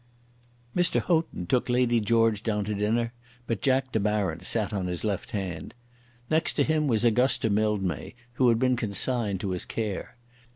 Mr. Houghton took Lady George down to dinner; but Jack De Baron sat on his left hand. Next to him was Augusta Mildmay, who had been consigned to his care.